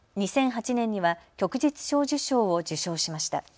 ２００８年には旭日小綬章を受章しました。